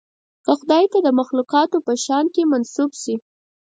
که خدای ته د مخلوقاتو په شأن کې منسوب شي.